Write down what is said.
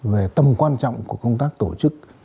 về tâm quan trọng của công tác tổ chức